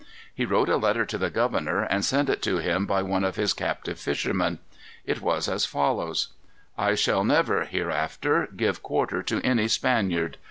He wrote a letter to the governor, and sent it to him by one of his captive fishermen. It was as follows: "I shall never, hereafter, give quarter to any Spaniard.